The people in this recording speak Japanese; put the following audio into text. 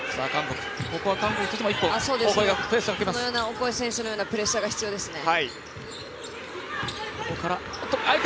オコエ選手のようなプレッシャーが必要ですね。